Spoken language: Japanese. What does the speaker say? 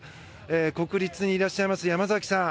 国立にいらっしゃいます山崎さん